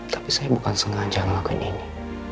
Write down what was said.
tapi saya bukan sengaja melakukan ini